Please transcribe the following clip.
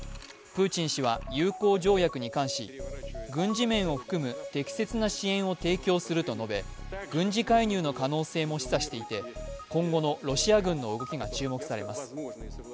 プーチン氏は友好条約に関し、軍事面を含む適切な支援を提供すると述べ、軍事介入の可能性も示唆していて今後のロシア軍の動きが注目されます。